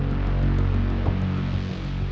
ไม่รู้ว่ามีคนติดละนาด